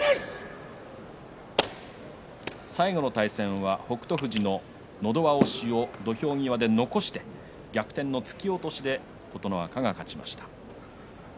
最後の対戦は北勝富士ののど輪の押しを、土俵際で残して逆転の突き落としで琴ノ若勝ちました。